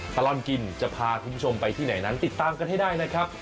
ตลอดกินจะพาคุณผู้ชมไปที่ไหนนั้นติดตามกันให้ได้นะครับ